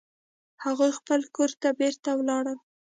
هغوی خپل کور ته بیرته ولاړل